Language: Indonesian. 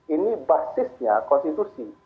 ini basisnya konstitusi